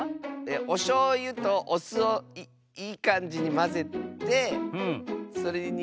おしょうゆとおすをいいかんじにまぜてそれにつけてたべます！